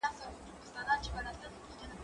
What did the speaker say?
زه پرون کالي مينځلي؟